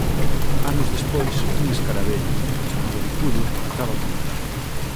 Anos despois, un escaravello, o chamado bicudo, acaba con ela.